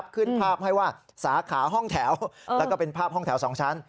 ขึ้นภาพให้ว่าสาขาห้องแถวแล้วก็เป็นภาพห้องแถว๒ชั้น